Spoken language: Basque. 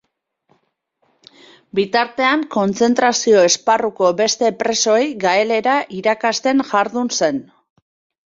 Bitartean, kontzentrazio-esparruko beste presoei gaelera irakasten jardun zen.